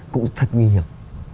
cũng thật nguy hiểm